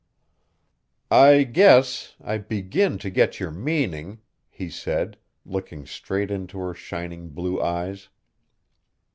"I guess I begin to get your meaning," he said, looking straight into her shining blue eyes.